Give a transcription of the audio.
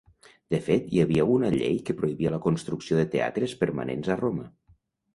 De fet hi havia una llei que prohibia la construcció de teatres permanents a Roma.